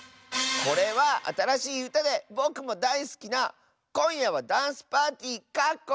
これはあたらしいうたでぼくもだいすきな「こんやはダンスパーティー」！